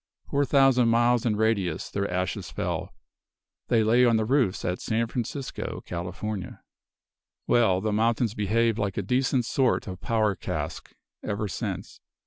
Four thousand miles in radius the ashes fell; they lay on the roofs at San Francisco, California. "Well, the mountain's behaved like a decent sort of powder cask ever since.